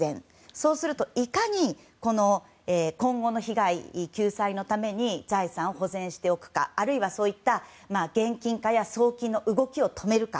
そうするといかに今後の被害救済のために財産を保全しておくか、あるいはそういった現金化や送金の動きを止めるか。